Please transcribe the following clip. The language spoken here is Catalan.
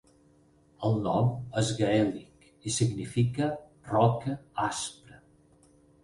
El nom és gaèlic i significa "roca aspra".